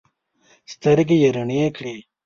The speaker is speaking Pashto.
سترګې یې رڼې کړې.